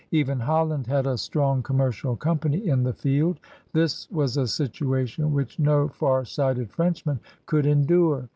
Even Holland had a strong commercial company in the field. This was a situation which no far sighted Frenchman could endure.